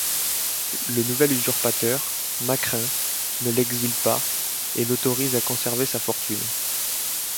Le nouvel usurpateur, Macrin, ne l'exile pas et l'autorise à conserver sa fortune.